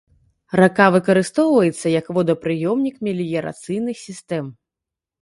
Рака выкарыстоўваецца як водапрыёмнік меліярацыйных сістэм.